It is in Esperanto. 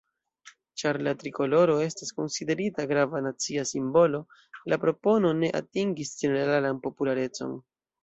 Ĉar la trikoloro estas konsiderita grava nacia simbolo, la propono ne atingis ĝeneralan popularecon.